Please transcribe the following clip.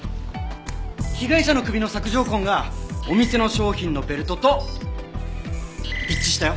被害者の首の索条痕がお店の商品のベルトと一致したよ。